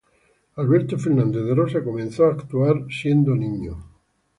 Alberto Fernández de Rosa comenzó actuación desde niño.